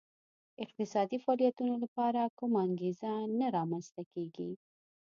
د اقتصادي فعالیتونو لپاره کومه انګېزه نه رامنځته کېږي